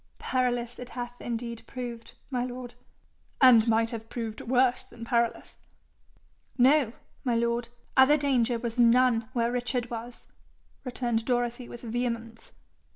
'Perilous it hath indeed proved, my lord.' 'And might have proved worse than perilous.' 'No, my lord. Other danger was none where Richard was,' returned Dorothy with vehemence.